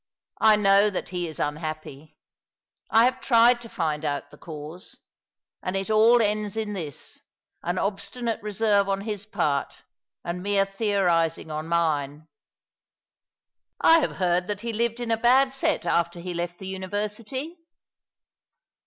I know that he is unhappy. I have tried to find out the cause ; and it all ends in this — an obstinate reserve on his part, and mere theorizing on mine." " I have lieard that he lived in a bad set after he loft the University?